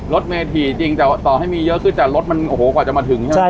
รถเมถี่จริงแต่ต่อให้มีเยอะขึ้นแต่รถมันโอ้โหกว่าจะมาถึงใช่ไหม